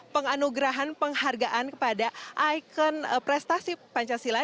penganugerahan penghargaan kepada ikon prestasi pancasila